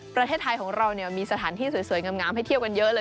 ประเทศไทยของเรามีสถานที่สวยงามให้เที่ยวกันเยอะเลย